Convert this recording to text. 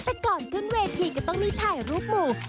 แต่ก่อนขึ้นเวทีก็ต้องมีถ่ายรูปหมู่